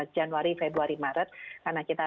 januari februari maret karena kita